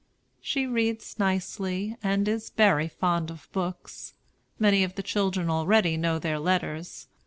She reads nicely, and is very fond of books. Many of the children already know their letters.